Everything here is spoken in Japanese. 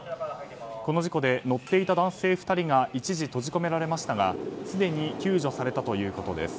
この事故で乗っていた男性２人が一時、閉じ込められましたがすでに救助されたということです。